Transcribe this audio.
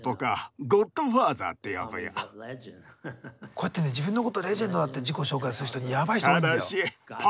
こうやってね自分のことレジェンドだって自己紹介する人にやばい人多いんだよ。